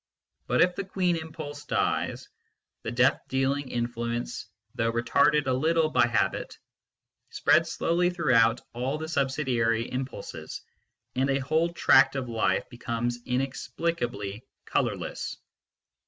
But if the queen impulse dies, the death dealing influence, though retarded a little by habit, spreads slowly through all the subsidiary impulses, and a whole tract of life becomes inexplicably colourless.